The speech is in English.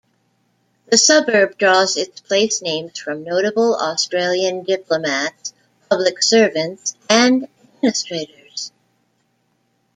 The suburb draws its place names from notable Australian diplomats, public servants and administrators.